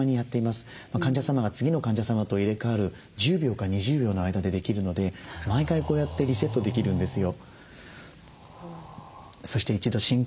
患者様が次の患者様と入れ代わる１０秒か２０秒の間でできるので毎回こうやってリセットできるんですよ。